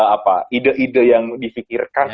apa ide ide yang di pikirkan